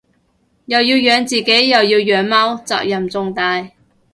又要養自己又要養貓責任重大